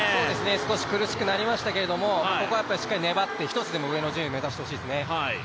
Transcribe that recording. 少し苦しくなりましたけれども、ここはちょっとでも粘って一つでも上の順位目指してほしいですね。